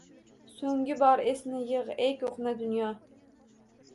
So’nggi bor – esni yig’, ey ko’hna dunyo!